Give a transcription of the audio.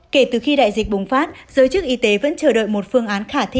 kể từ khi đại dịch bùng phát giới chức y tế vẫn chờ đợi một phương án khả thi